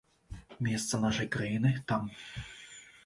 Месца нашай краіны там.